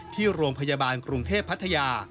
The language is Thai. ที่โรงพยาบาลกรุงเทพพัทยา